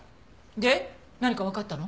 で何かわかったの？